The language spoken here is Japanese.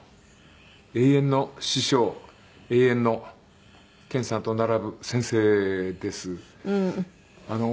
永遠の師匠永遠の健さんと並ぶ先生です。